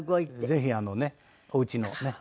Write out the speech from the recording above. ぜひあのねおうちのね